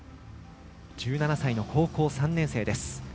１７歳の高校３年生です。